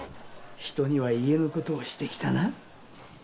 人には言えぬことをしてきたな。